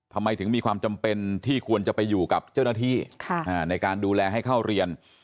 ทำไมถึงมีความจำเป็นที่ควรจะไปอยู่กับเจ้าหน้าที่ในการดูแลให้เข้าเรียน